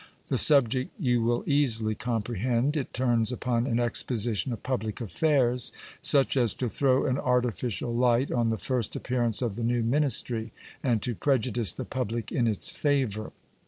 The subject you will easily comprehend : it turns upon an exposition of public affairs, such as to throw an artificial light on the first appearance of the new ministry, and to prejudice the public in its favour.